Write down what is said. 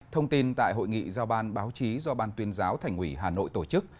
thông tin tại hội nghị giao ban báo chí do ban tuyên giáo thành ủy hà nội tổ chức